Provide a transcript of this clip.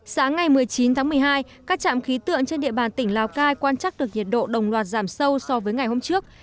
sáng ngày một mươi chín tháng một mươi hai các trạm khí tượng trên địa bàn tỉnh lào cai quan trắc được nhiệt độ đồng loạt giảm sâu so với ngày hôm trước